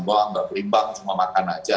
wah nggak berimbang cuma makan aja